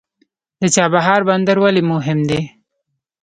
د چابهار بندر ولې مهم دی؟